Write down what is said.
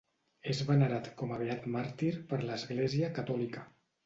És venerat com a beat màrtir per l'Església Catòlica.